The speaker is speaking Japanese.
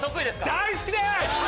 大好きです！